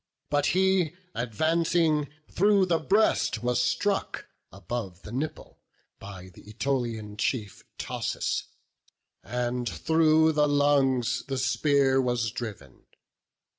But he, advancing, through the breast was struck Above the nipple, by th' Ætolian chief. Thoas; and through his lungs the spear was driv'n.